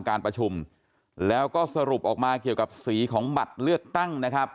การประชุมแล้วก็สรุปออกมาเกี่ยวกับสีของบัตรเลือกตั้งนะครับ